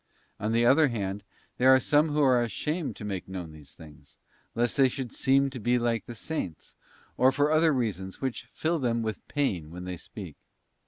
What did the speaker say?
On the other hand, there are some who are ashamed to make known these things, lest they should seem to be like the Saints, or for other reasons which fill them with pain when they speak.